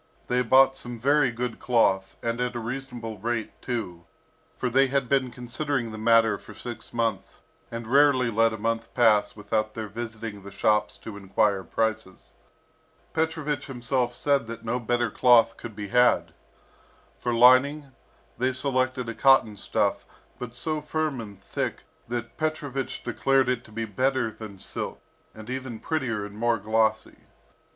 They bought some very good cloth, and at a reasonable rate too, for they had been considering the matter for six months, and rarely let a month pass without their visiting the shops to enquire prices. Petrovich himself said that no better cloth could be had. For lining, they selected a cotton stuff, but so firm and thick, that Petrovich declared it to be better than silk, and even prettier and more glossy.